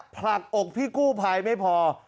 ผลักอกพี่กู้ภัยไม่พอ